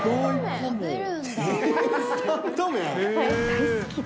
大好きで。